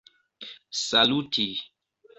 saluti